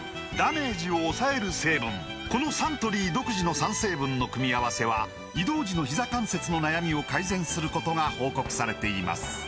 このサントリー独自の３成分の組み合わせは移動時のひざ関節の悩みを改善することが報告されています